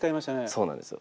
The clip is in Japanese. そうなんですよ。